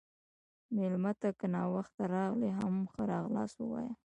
مېلمه ته که ناوخته راغلی، هم ښه راغلاست ووایه.